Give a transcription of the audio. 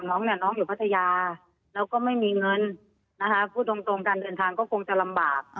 แล้วก็ไม่มีเงินพูดตรงการเดินทางก็คงจะลำบาก